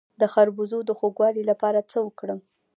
د خربوزو د خوږوالي لپاره څه وکړم؟